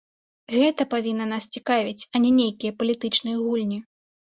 Гэта павінна нас цікавіць, а не нейкія палітычныя гульні.